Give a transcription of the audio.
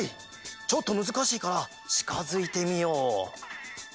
ちょっとむずかしいからちかづいてみよう！